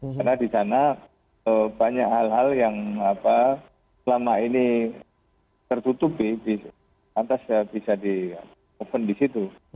karena di sana banyak hal hal yang selama ini tertutupi nanti bisa di open di situ